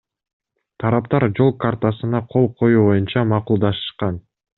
Тараптар жол картасына кол коюу боюнча макулдашышкан.